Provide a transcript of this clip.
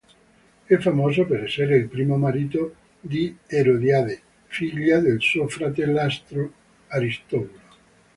È famoso per essere il primo marito di Erodiade, figlia del suo fratellastro Aristobulo.